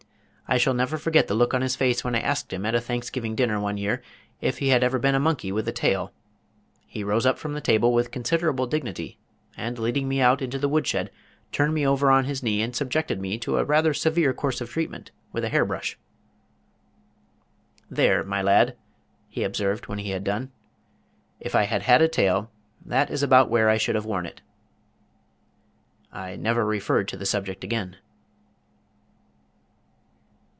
I shall never forget the look on his face when I asked him at a Thanksgiving dinner one year if he had ever been a monkey with a tail. He rose up from the table with considerable dignity, and leading me out into the wood shed turned me over on his knee and subjected me to a rather severe course of treatment with a hair brush. "There, my lad," he observed when he had done. "If I had had a tail that is about where I should have worn it." I never referred to the subject again.